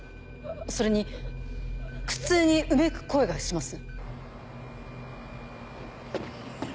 それに苦痛にうめく声がします。